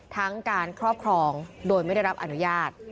ทั้งการครอบครองโดยไม่ได้รับอนุญาต